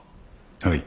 はい。